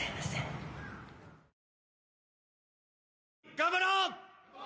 頑張ろう！